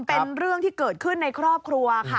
เป็นเรื่องที่เกิดขึ้นในครอบครัวค่ะ